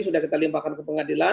sudah kita limpahkan ke pengadilan